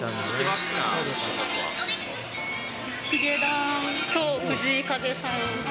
ヒゲダンと藤井風さん。